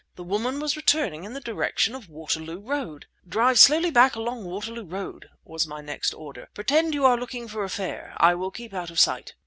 The woman was returning in the direction of Waterloo Road! "Drive slowly back along Waterloo Road," was my next order. "Pretend you are looking for a fare; I will keep out of sight."